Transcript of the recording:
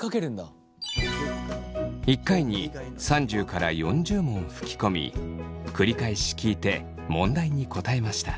一回に３０から４０問吹き込み繰り返し聞いて問題に答えました。